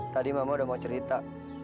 tadi mama udah mau cerita